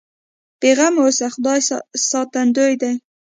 بې غمه اوسه خدای ساتندوی دی.